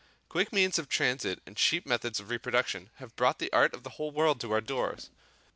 Quick means of transit and cheap methods of reproduction have brought the art of the whole world to our doors.